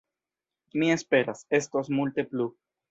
Mi esperas, estos multe plu!